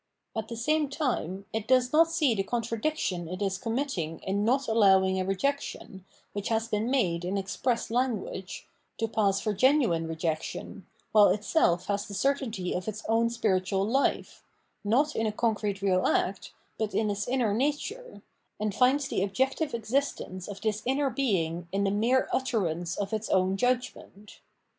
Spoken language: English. At the same time, it does not see the contradiction it is committing in not allowing a rejection, which has been 678 PJimomertdogy of Mind made in express language, to pass for genuine rejection, while itself has the certainty of its own spiritual life, not in a concrete real act, but in its inner nature, and finds the objective existence of this inner being in the mere utterance of its own judgment.